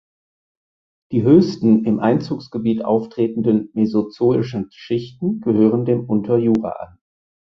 Die höchsten im Einzugsgebiet auftretenden mesozoischen Schichten gehören dem Unterjura an.